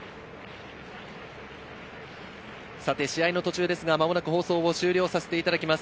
試合の途中ですが間もなく放送を終了させていただきます。